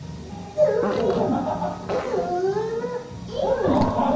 ズームイン！！